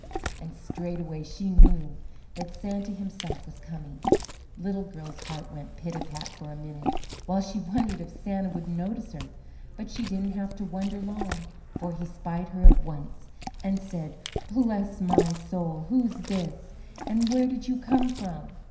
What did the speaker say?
And straightway she knew that Santa himself was coming. Little Girl's heart went pit a pat for a minute while she wondered if Santa would notice her, but she didn't have to wonder long, for he spied her at once and said: "Bless my soul! who's this? and where did you come from?"